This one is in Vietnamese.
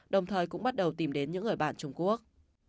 đồng thời cũng bắt đầu tìm đến những người bạn trung quốc